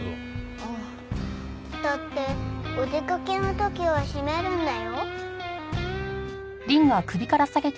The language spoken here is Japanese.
だってお出かけの時は閉めるんだよ？